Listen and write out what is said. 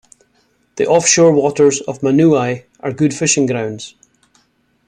The offshore waters of Manuae are good fishing grounds.